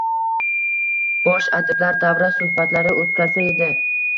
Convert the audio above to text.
Yosh adiblar davra suhbatlari o‘tkazsa edi.